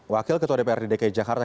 wakil ketua dpr di dki jakarta